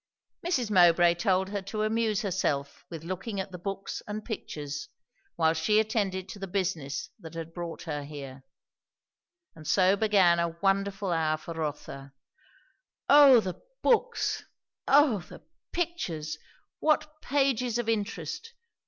Mrs. Mowbray told her to amuse herself with looking at the books and pictures, while she attended to the business that brought her here; and so began a wonderful hour for Rotha. O the books! O the pictures! what pages of interest!